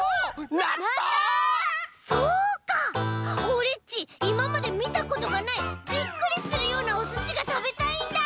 オレっちいままでみたことがないびっくりするようなおすしがたべたいんだ！